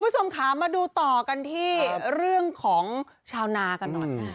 คุณผู้ชมค่ะมาดูต่อกันที่เรื่องของชาวนากันหน่อย